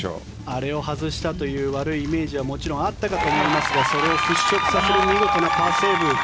あれを外したという悪いイメージはもちろんあったと思いますがそれを払しょくさせる見事なパーセーブ。